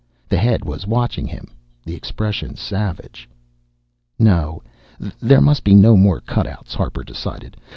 The head was watching him, the expression savage. No, there must be no more cutouts, Harper decided.